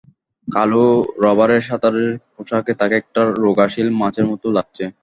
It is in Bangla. কালো রবারের সাঁতারের পোশাকে তাঁকে একটা রোগা সিল মাছের মতো লাগছে।